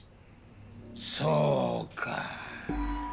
そうか。